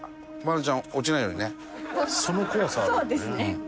そうですね。